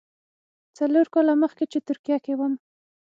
څلور کاله مخکې چې ترکیه کې وم.